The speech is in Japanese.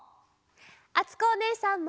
あつこおねえさんも！